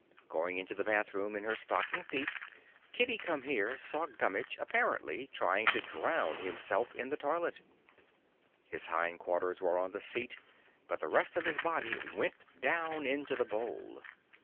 Going into the bathroom in her stocking feet, Kitty Come Here saw Gummitch apparently trying to drown himself in the toilet. His hindquarters were on the seat but the rest of his body went down into the bowl.